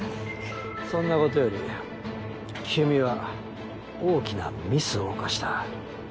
そんなことより君は大きなミスを犯した。